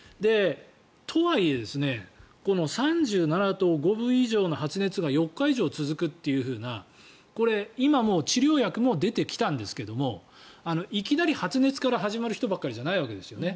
とはいえ、３７．５度以上の発熱が４日以上続くというようなこれ、今もう治療薬も出てきたんですけれどもいきなり発熱から始まる人ばかりじゃないわけですよね。